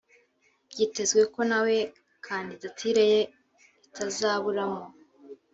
byitezwe ko nawe kandidatire ye itazaburamo